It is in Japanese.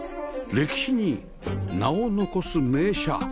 歴史に名を残す名車